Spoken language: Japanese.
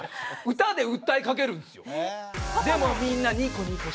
歌で訴えかけるんですよ。